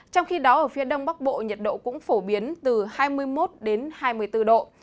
trong khi đó ở phía đông bắc bộ nhiệt độ cũng phổ biến từ hai mươi một đến hai mươi bốn độ